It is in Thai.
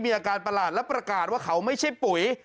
อาการประหลาดและประกาศว่าเขาไม่ใช่ปุ๋ย